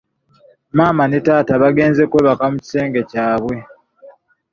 Maama ne taata bagenze kwebaka mukisenge kyabwe.